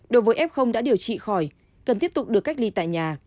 đối với f đã điều trị khỏi cần tiếp tục được cách ly tại nhà